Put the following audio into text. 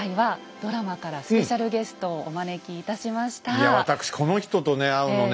いやわたくしこの人とね会うのね